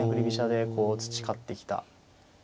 飛車で培ってきた。